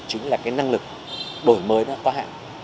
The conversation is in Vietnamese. chính là cái năng lực đổi mới nó có hạn